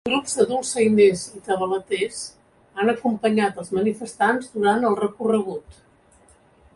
Grups de dolçainers i tabaleters han acompanyat els manifestants durant el recorregut.